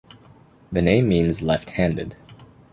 The name means "left-handed".